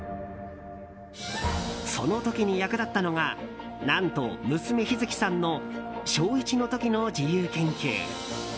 その時に役立ったのが何と、娘・陽月さんの小１の時の自由研究。